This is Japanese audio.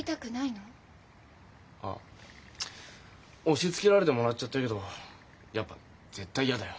押しつけられてもらっちゃったけどやっぱ絶対嫌だよ